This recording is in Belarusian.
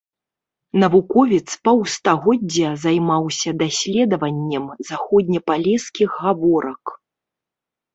Навуковец паўстагоддзя займаўся даследаваннем заходнепалескіх гаворак.